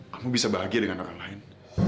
kamu bisa bahagia dengan orang lain